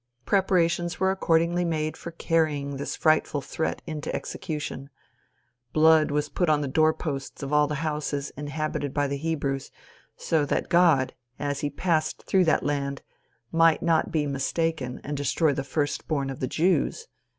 Preparations were accordingly made for carrying this frightful threat into execution. Blood was put on the door posts of all houses inhabited by Hebrews, so that God, as he passed through that land, might not be mistaken and destroy the first born of the Jews.